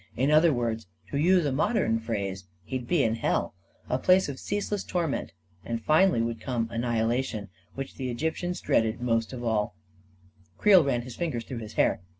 " In other words, to use a modern phrase, he'd be in hell — a place of ceaseless torment and finally would come annihila tion, which the Egyptians dreaded most of all." A KING IN BABYLON 215 Creel ran his fingers through his hair.